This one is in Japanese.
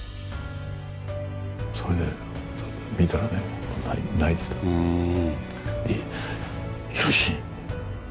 それで、見たらね、泣いてたんですよ。